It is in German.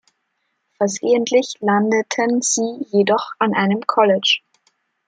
Versehentlich landeten sie jedoch an einem College.